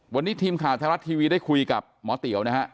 วันนี้ทีมข่าวไทยรัฐทีวีได้คุยกับหมอเตี๋ยวนะฮะ